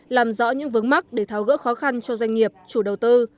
làm rõ những vấn mắc để tháo gỡ khó khăn cho doanh nghiệp chủ đầu tư